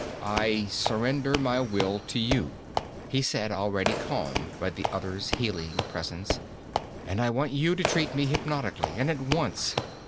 "I surrender my will to you," he said, already calmed by the other's healing presence, "and I want you to treat me hypnotically and at once.